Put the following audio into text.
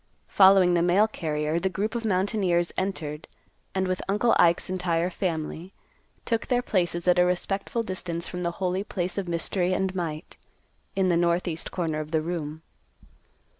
Following the mail carrier, the group of mountaineers entered, and, with Uncle Ike's entire family, took their places at a respectful distance from the holy place of mystery and might, in the north east corner of the room.